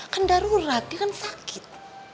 kan darurat dia kan sakit